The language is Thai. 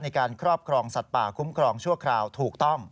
ในการครอบครองสัตว์ป่าคุ้มครองชั่วคราวถูกต้อง